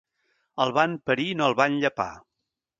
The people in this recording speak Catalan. El van parir i no el van llepar.